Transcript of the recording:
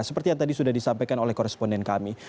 seperti yang tadi sudah disampaikan oleh koresponden kami